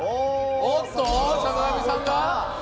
おっと坂上さんが。